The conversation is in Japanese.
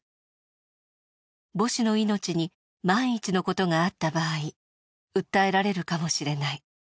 母子の命に万一のことがあった場合訴えられるかもしれない。